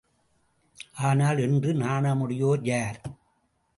ஆனால், இன்று நாணமுடையோர் யார்?